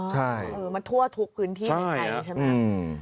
ใช่มันทั่วทุกพื้นที่ไหมไงใช่ไหมครับอื้อช่วยด้วย